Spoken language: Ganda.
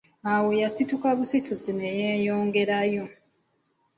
Awo yasituka busitusi ne yeeyongerayo.